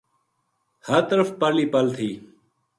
ہر طرف پل ہی پل تھی